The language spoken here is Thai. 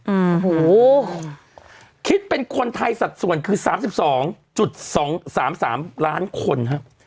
โอ้โหคิดเป็นคนไทยสัดส่วนคือ๓๒๓๓ล้านคนครับ